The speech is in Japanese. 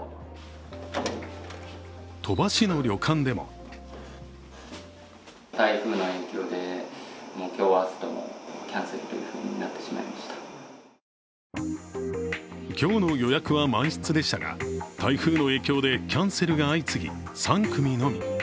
鳥羽市の旅館でも今日の予約は満室でしたが台風の影響でキャンセルが相次ぎ、３組のみ。